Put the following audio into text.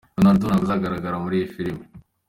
Ronaldo ntabwo azagaragara muri iyi film.